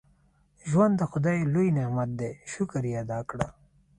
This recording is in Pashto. • ژوند د خدای لوی نعمت دی، شکر یې ادا کړه.